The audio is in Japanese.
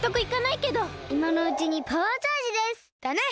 いまのうちにパワーチャージです！だね！